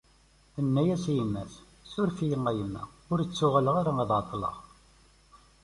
Tenna-as i yemma-s: « Suref-iyi a yemma, ur ttuɣaleɣ ara ad ɛeṭṭleɣ. »